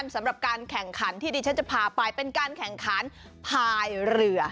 สำหรับการแข่งขันที่ดิฉันจะพาไปเป็นการแข่งขันภายเรือ